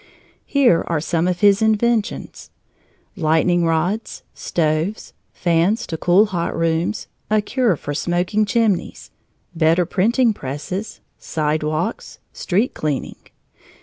Here are some of his inventions: lightning rods, stoves, fans to cool hot rooms, a cure for smoking chimneys, better printing presses, sidewalks, street cleaning.